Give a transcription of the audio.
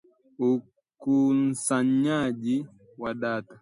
Ukunsanyaji wa data